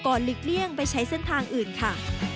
หลีกเลี่ยงไปใช้เส้นทางอื่นค่ะ